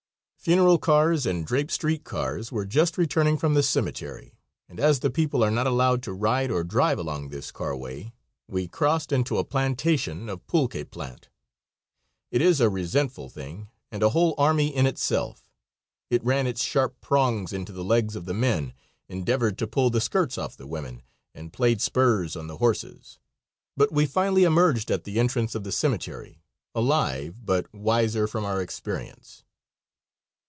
Funeral cars and draped street cars were just returning from the cemetery, and as the people are not allowed to ride or drive along this carway, we crossed into a plantation of pulque plant. It is a resentful thing, and a whole army in itself. It ran its sharp prongs into the legs of the men, endeavored to pull the skirts off the women, and played spurs on the horses; but we finally emerged at the entrance of the cemetery, alive, but wiser from our experience.